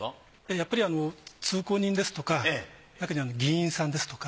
やっぱりあの通行人ですとかなかには議員さんですとか。